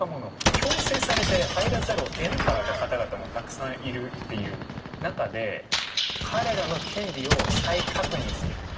強制されて入らざるを得なかった方々もたくさんいるっていう中で彼らの権利を再確認する明確化する。